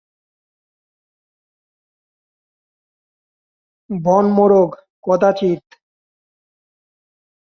বনমোরগ কদাচিৎ।